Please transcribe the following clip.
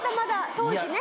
当時ね。